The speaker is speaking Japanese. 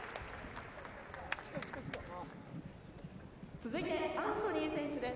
続いてアンソニー選手です。